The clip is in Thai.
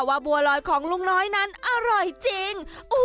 บัวลอยของลุงน้อยนั้นอร่อยจริง